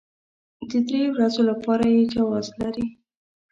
د درې ورځو لپاره يې جواز لري.